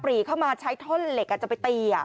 รีเข้ามาใช้ท่อนเหล็กจะไปตี